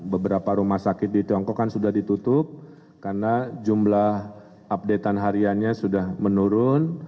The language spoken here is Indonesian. beberapa rumah sakit di tiongkok kan sudah ditutup karena jumlah update an hariannya sudah menurun